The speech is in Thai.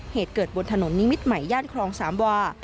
เหตุเกิดบนถนนนิมิตรใหม่ย่านครองสามวา